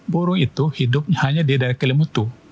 burung itu hidupnya hanya di daerah kelimutu